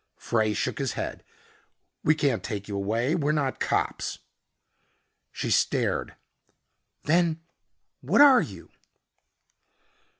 Frey shook his head. "We can't take you away. We're not cops." She stared. "Then what are you?"